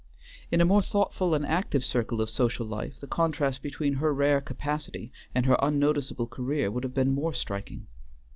In a more thoughtful and active circle of social life the contrast between her rare capacity and her unnoticeable career would have been more striking.